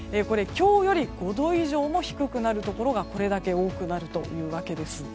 今日より５度以上も低くなるところがこれだけ多くなるというわけです。